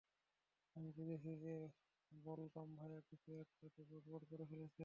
আমি বুঝেছি যে বলরাম ভাইয়া কিছু একটা তো গড়বড় করে ফেলেছে।